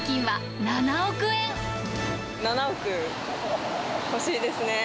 ７億欲しいですね。